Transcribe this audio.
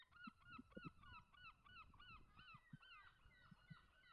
Unable to warn anyone, she endeavours to interrupt the devices.